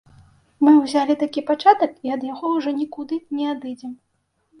Мы ўзялі такі пачатак і ад яго ўжо нікуды не адыдзем.